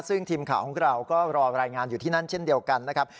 ซึ่งทีมข่าวของเราก็รอรายงานอยู่ที่นั่นเช่นเดียวกันนะครับ